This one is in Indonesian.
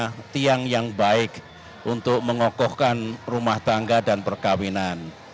adalah ada tiga tiang yang baik untuk mengokohkan rumah tangga dan perkawinan